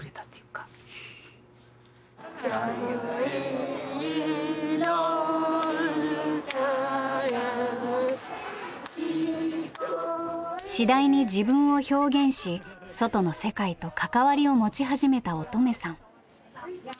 かえるの歌が次第に自分を表現し外の世界と関わりを持ち始めた音十愛さん。